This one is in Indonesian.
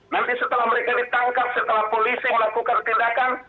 nanti setelah mereka ditangkap setelah polisi melakukan tindakan